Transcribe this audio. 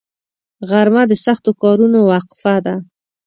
غرمه د سختو کارونو وقفه ده